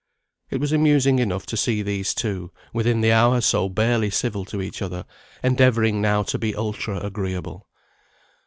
It was amusing enough to see these two, within the hour so barely civil to each other, endeavouring now to be ultra agreeable.